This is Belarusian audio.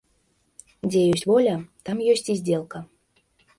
Дзе ёсць воля, там ёсць і здзелка.